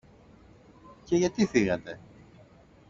Και γιατί φύγατε;